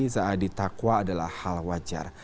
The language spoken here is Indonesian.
saat ditakwa adalah hal wajar